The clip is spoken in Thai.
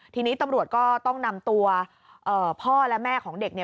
ทีนี้ตำรวจก็ต้องนำตัวพ่อและแม่ของเด็กเนี่ย